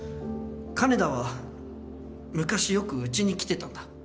金田は昔よくうちに来てたんだ。